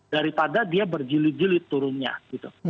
daripada dia berjilid jilid turunnya gitu